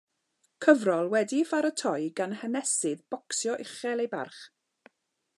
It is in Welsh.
Cyfrol wedi'i pharatoi gan hanesydd bocsio uchel ei barch.